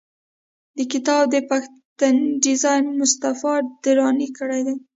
د کتاب د پښتۍ ډیزاین مصطفی دراني کړی دی.